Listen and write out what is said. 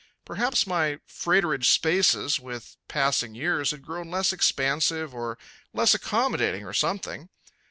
Perhaps my freighterage spaces, with passing years, had grown less expansive or less accommodating or something.